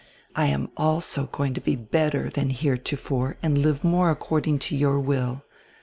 I am also going to be better than heretofore and live more according to your will."